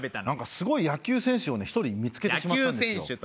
なんかすごい野球選手をね１人見付けてしまったんですよ。